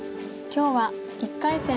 今日は１回戦